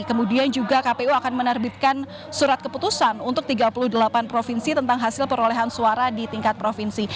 kemudian juga kpu akan menerbitkan surat keputusan untuk tiga puluh delapan provinsi tentang hasil perolehan suara di tingkat provinsi